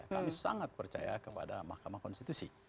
kami sangat percaya kepada mahkamah konstitusi